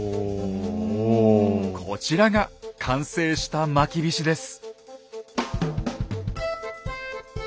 こちらが完成したまきびしです。